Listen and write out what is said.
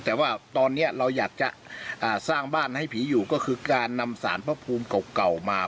แต่ว่าตอนนี้เราอยากจะสร้างบ้านให้ผีอยู่ก็คือการนำสารพระภูมิเก่ามา